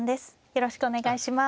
よろしくお願いします。